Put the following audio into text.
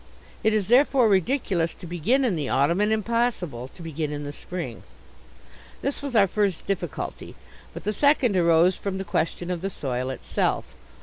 It is, therefore, ridiculous to begin in the autumn and impossible to begin in the spring. This was our first difficulty. But the second arose from the question of the soil itself.